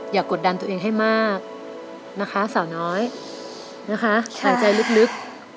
กดดันตัวเองให้มากนะคะสาวน้อยนะคะหายใจลึก